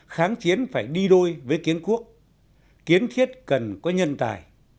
kháng chiến phải đi đôi với kiến quốc kiến thiết cần có nhân tài